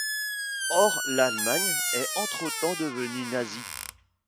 Or l'Allemagne est entretemps devenue nazie.